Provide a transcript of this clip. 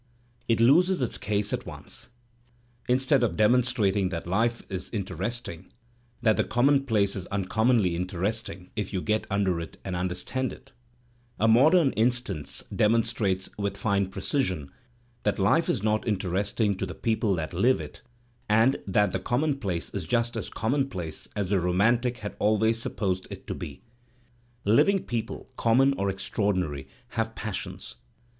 It loses its case at once. Instead of demonstrating that life is interesting, that the commonplace is uncommonly interesting if you get imder it and understand it, "A Modem Instance" demonstrates with fine precision that life is not interesting to the people that Uve it and that the conmionplace is just as commonplace as the romantic had always supposed it to be. Living people, common or extraordinary, have passions.